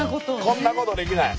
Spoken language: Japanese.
こんなことできない。